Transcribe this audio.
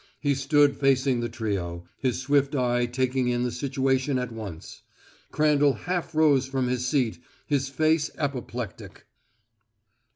He stood facing the trio, his swift eye taking in the situation at once. Crandall half rose from his seat, his face apoplectic.